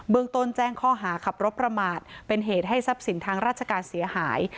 เมืองต้นแจ้งข้อหาขับรถประมาทเป็นเหตุให้ทรัพย์สินทางราชการเสียหาย